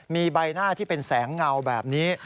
มีใบหน้าที่เป็นแสงเงาแบบนี้